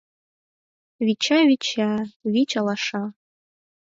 Вича, вича, вич алаша